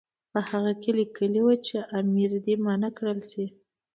په هغه کې لیکلي وو چې امیر دې منع کړل شي.